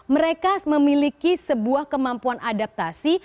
mereka memiliki sebuah kemampuan adaptasi